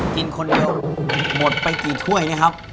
กินคนเดียวหมดไปกี่ถ้วยนะครับ